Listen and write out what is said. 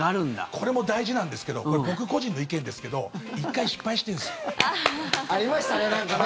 これも大事なんですけどこれ、僕個人の意見ですけど１回失敗してるんですよ。ありましたねなんかね。